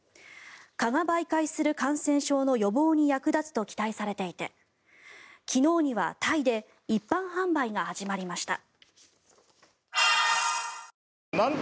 蚊が媒介する感染症の予防に役立つと期待されていて昨日にはタイで一般販売が始まりました。